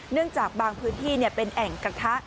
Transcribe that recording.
จากบางพื้นที่เป็นแอ่งกระทะ